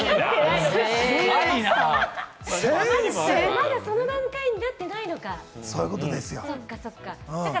まだその段階になってないのか、そっか。